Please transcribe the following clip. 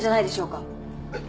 えっ！？